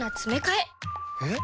えっ？